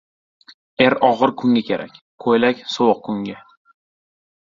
• Er og‘ir kunga kerak, ko‘ylak ― sovuq kunga.